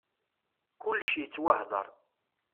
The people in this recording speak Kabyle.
Kulec yettwahdar.